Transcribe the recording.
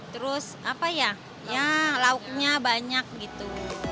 terus apa ya ya lauknya banyak gitu